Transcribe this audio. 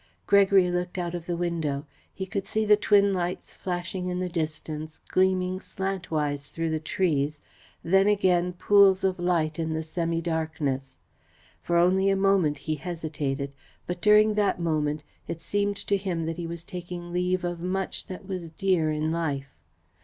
Gregory looked out of the window. He could see the twin lights flashing in the distance, gleaming slantwise through the trees, then again pools of light in the semi darkness. For only a moment he hesitated, but, during that moment, it seemed to him that he was taking leave of much that was dear in life.